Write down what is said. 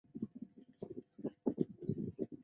最佳观赏地点为城市阳台。